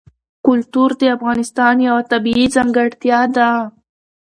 کلتور د افغانستان یوه طبیعي ځانګړتیا ده.